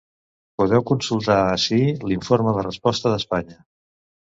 Podeu consultar ací l’informe de resposta d’Espanya.